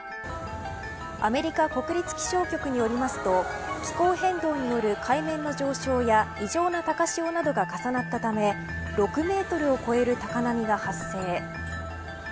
アメリカ国立気象局によりますと気候変動による海面の上昇や異常な高潮などが重なったため６メートルを超える高波が発生。